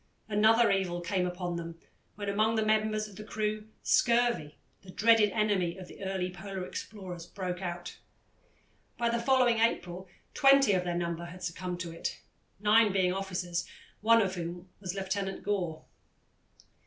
Another evil came upon them when among the members of the crew scurvy, the dreaded enemy of the early Polar explorers, broke out. By the following April twenty of their number had succumbed to it, nine being officers, one of whom was Lieutenant Gore.